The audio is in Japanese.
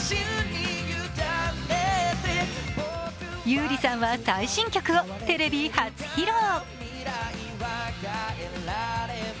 優里さんは最新曲をテレビ初披露。